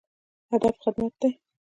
هدف خدمت دی